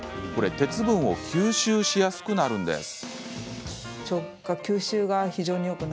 鉄分が吸収しやすくなるんです。